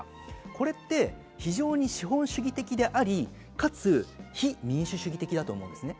これって、非常に資本主義的でありかつ非民主主義的だと思うんですね。